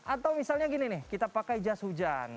atau misalnya gini nih kita pakai jas hujan